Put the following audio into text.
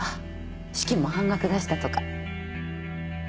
資金も半額出したとか。